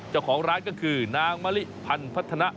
เจ้าของร้านก็คือนางมะลิพันธนะ